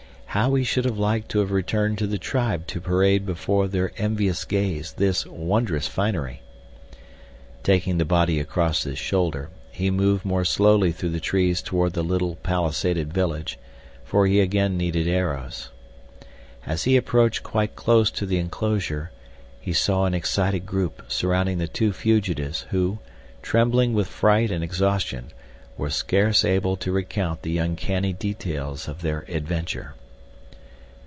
How he should have liked to have returned to the tribe to parade before their envious gaze this wondrous finery. Taking the body across his shoulder, he moved more slowly through the trees toward the little palisaded village, for he again needed arrows. As he approached quite close to the enclosure he saw an excited group surrounding the two fugitives, who, trembling with fright and exhaustion, were scarce able to recount the uncanny details of their adventure.